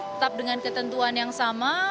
tetap dengan ketentuan yang sama